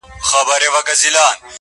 له ښار او کلي وتلی دم دی-